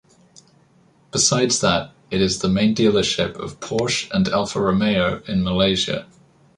Besides that, it is the main dealership of Porsche and Alfa Romeo in Malaysia.